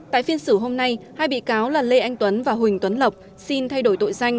tại phiên xử hôm nay hai bị cáo là lê anh tuấn và huỳnh tuấn lộc xin thay đổi tội danh